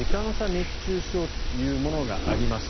熱中症というものがあります。